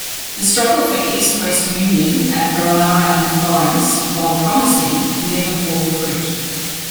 The struggle for East-West union at Ferrara and Florence, while promising, never bore fruit.